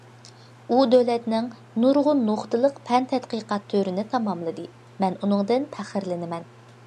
ئۇ دۆلەتنىڭ نۇرغۇن نۇقتىلىق پەن تەتقىقات تۈرىنى تاماملىدى، مەن ئۇنىڭدىن پەخىرلىنىمەن.